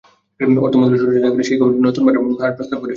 অর্থ মন্ত্রণালয় সূত্রে জানা গেছে, সেই কমিটি নতুন ভাড়ার হার প্রস্তাব করেছে।